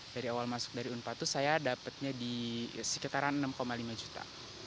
dari awal masuk dari unpad itu saya dapatnya di sekitaran rp enam lima juta